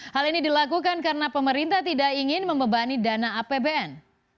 hal ini dilakukan karena pemerintah tidak ingin membebani dana apbn